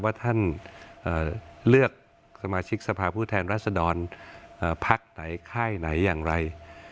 ว่าท่านเลือกสมาชิกสภาพผู้แทนรัศดรพักไหนค่ายไหนอย่างไร